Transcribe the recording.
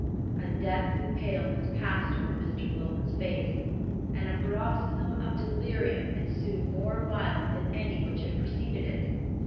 A deathly paleness passed over Mr. Wilmot's face and a paroxysm of delirium ensued more violent than any which had preceded it.